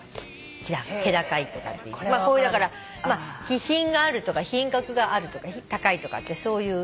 これだから気品があるとか品格があるとか高いとかってそういう意味で。